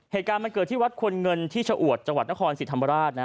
เหตุการณ์มันเกิดที่วัดควรเงินที่ชะอวดจังหวัดนครศรีธรรมราช